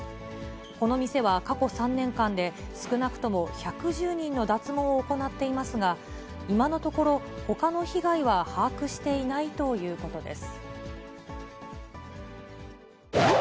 この店は過去３年間で、少なくとも１１０人の脱毛を行っていますが、今のところ、ほかの被害は把握していないということです。